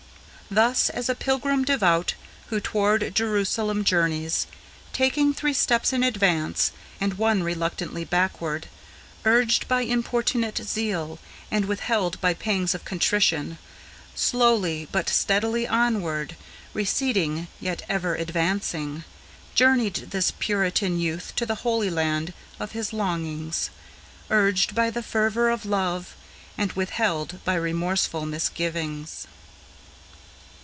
Thus, as a pilgrim devout, who toward Jerusalem journeys, Taking three steps in advance, and one reluctantly backward, Urged by importunate zeal, and withheld by pangs of contrition; Slowly but steadily onward, receding yet ever advancing, Journeyed this Puritan youth to the Holy Land of his longings, Urged by the fervor of love, and withheld by remorseful misgivings.